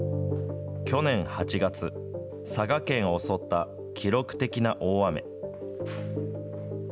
去年８月、佐賀県を襲った記録的な大雨。